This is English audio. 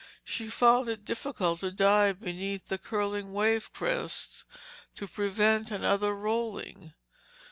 She found it difficult to dive beneath the curling wavecrests to prevent another rolling.